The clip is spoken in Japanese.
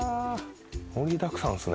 盛りだくさんですね。